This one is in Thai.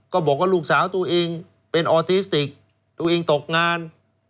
ก็บอกว่าลูกสาวตัวเองเป็นออทิสติกตัวเองตกงาน